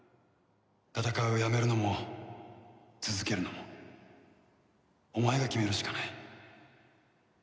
戦いをやめるのも続けるのもお前が決めるしかない。